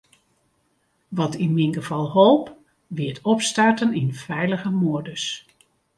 Wat yn myn gefal holp, wie it opstarten yn feilige modus.